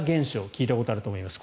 聞いたことがあると思います。